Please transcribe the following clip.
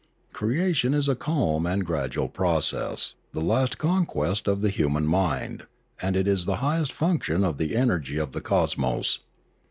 Creation is a calm and gradual process, the last conquest of the human mind, as it is the highest function of the energy of the cosmos.